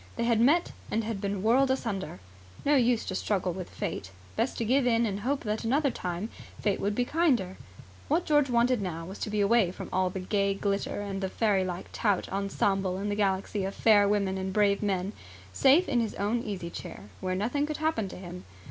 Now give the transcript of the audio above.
They had met and had been whirled asunder. No use to struggle with Fate. Best to give in and hope that another time Fate would be kinder. What George wanted now was to be away from all the gay glitter and the fairylike tout ensemble and the galaxy of fair women and brave men, safe in his own easy chair, where nothing could happen to him.